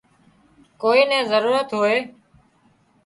ڪوئي نين ضرورت هوئي